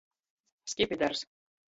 Skipidars.